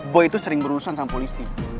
boy itu sering berurusan sama polisi